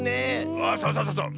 あそうそうそうそう。